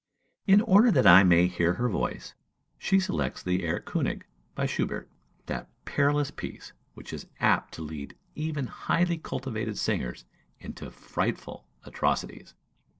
In order that I may hear her voice, she selects the "Erlkönig," by Schubert, that perilous piece, which is apt to lead even highly cultivated singers into frightful atrocities.